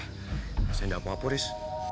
saya tidak apa apa riz